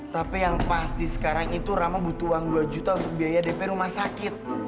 tapi yang pasti sekarang itu rama butuh uang dua juta untuk biaya dp rumah sakit